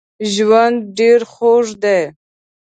ژوند ډېر خوږ دی